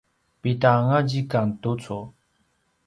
pida anga zikang tucu?